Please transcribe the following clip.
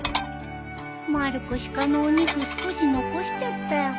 まる子鹿のお肉少し残しちゃったよ。